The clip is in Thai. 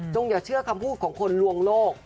อย่าเชื่อคำพูดของคนลวงโลก